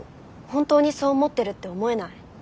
本当にそう思ってるって思えない。